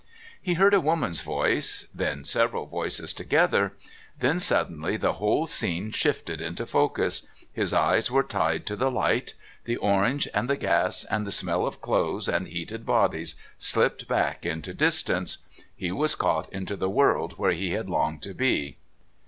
He heard a woman's voice, then several voices together; then suddenly the whole scene shifted into focus, his eyes were tied to the light; the oranges and the gas and the smell of clothes and heated bodies slipped back into distance he was caught into the world where he had longed to be.